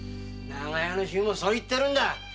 長屋の衆もそう言ってるんだ。